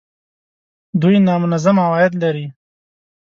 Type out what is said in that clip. دوی نامنظم عواید لري